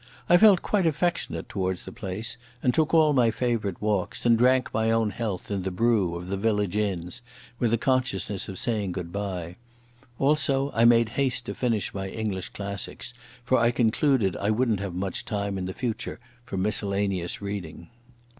I felt quite affectionate towards the place, and took all my favourite walks, and drank my own health in the brew of the village inns, with a consciousness of saying goodbye. Also I made haste to finish my English classics, for I concluded I wouldn't have much time in the future for miscellaneous reading.